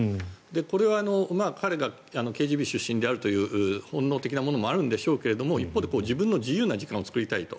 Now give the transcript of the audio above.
これは彼がＫＧＢ出身であるという本能的なものもあるんでしょうが一方で自分の自由な時間を作りたいと。